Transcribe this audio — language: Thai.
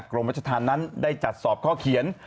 กรมรัชธรรมนั้นได้จัดสอบข้อเขียน